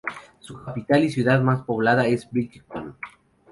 Su capital y ciudad más poblada es Bridgetown.